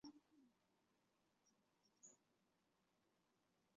亦有人认为临检的方式与法定程序及要件不符。